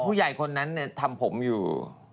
คนไอ้คนนั้นทำผมอยู่